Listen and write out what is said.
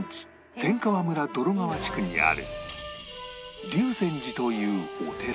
天川村洞川地区にある龍泉寺というお寺